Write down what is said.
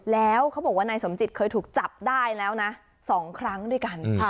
แล้วเขาบอกว่านายสมจิตเคยถูกจับได้แล้วนะ๒ครั้งด้วยกัน